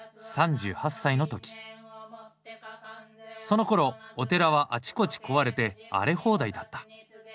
そのころお寺はあちこち壊れて荒れ放題だった。